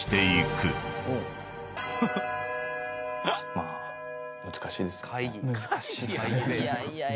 ・まあ難しいですよね。